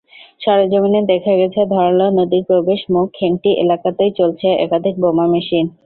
সরেজমিনে দেখা গেছে, ধরলা নদীর প্রবেশমুখ খেংটি এলাকাতেই চলছে একাধিক বোমা মেশিন।